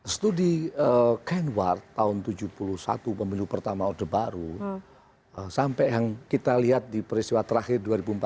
studi kenward tahun seribu sembilan ratus tujuh puluh satu pemilu pertama orde baru sampai yang kita lihat di peristiwa terakhir dua ribu empat belas